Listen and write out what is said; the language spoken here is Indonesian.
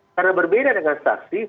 karena berbeda dengan saksi